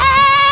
wih wih wih wih